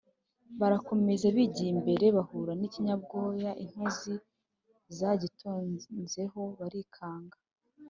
Barakomeza, bigiye imbere bahura n'ikinyabwoya intozi zagitonzeho barikanga